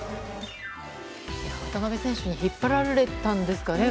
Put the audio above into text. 渡邊選手に引っ張られたんでしょうかね。